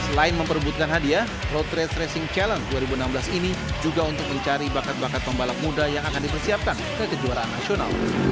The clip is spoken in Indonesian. selain memperbutkan hadiah road rate racing challenge dua ribu enam belas ini juga untuk mencari bakat bakat pembalap muda yang akan dipersiapkan ke kejuaraan nasional